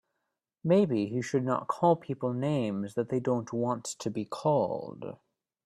Maybe he should not call people names that they don't want to be called.